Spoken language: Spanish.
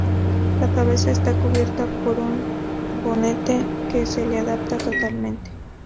La cabeza está cubierta con un bonete que se le adapta totalmente.